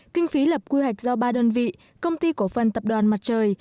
kinh phí lập quy hoạch do ba đơn vị công ty cổ phần tập đoàn mặt trời